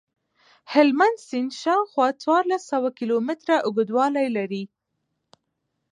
هلمند سیند شاوخوا څوارلس سوه کیلومتره اوږدوالی لري.